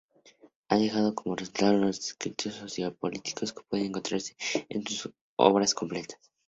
Ha dejado como resultado los escritos sociopolíticos que pueden encontrarse en sus obras completas.